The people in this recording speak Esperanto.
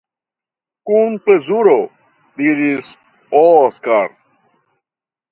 Kun plezuro, diris Oskar.